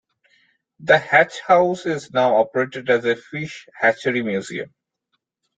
The hatch house is now operated as a fish hatchery museum.